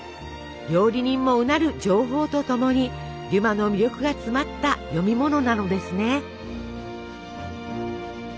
料理人もうなる情報とともにデュマの魅力が詰まった読み物なのですね。